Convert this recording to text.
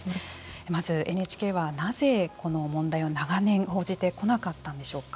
まずＮＨＫはなぜこの問題を長年報じてこなかったんでしょうか。